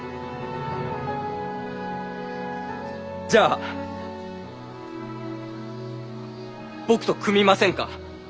じゃあ僕と組みませんか？